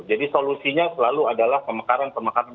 jadi solusinya selalu adalah pemekaran pemekaran